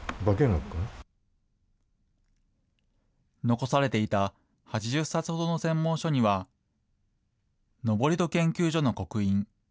残されていた８０冊ほどの専門書には、登戸研究所の刻印。